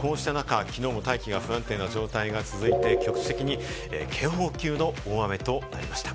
こうした中、きのうも大気が不安定な状態が続きまして、局地的に警報級の大雨となりました。